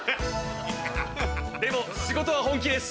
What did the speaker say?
でも仕事は本気です。